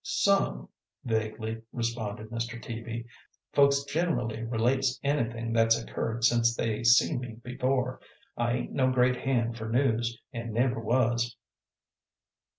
"Some," vaguely responded Mr. Teaby. "Folks ginerally relates anythin' that's occurred since they see me before. I ain't no great hand for news, an' never was."